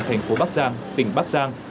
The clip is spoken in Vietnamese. thành phố bắc giang tỉnh bắc giang